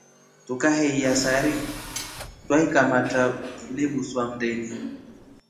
Tukaheiya sari twaikamatra inebuswa mndeni.